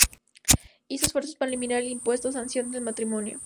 Hizo esfuerzos para eliminar el impuesto sanción al matrimonio.